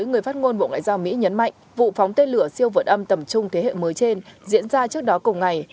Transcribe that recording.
người phát ngôn bộ ngoại giao mỹ nhấn mạnh vụ phóng tên lửa siêu vượt âm tầm trung thế hệ mới trên diễn ra trước đó cùng ngày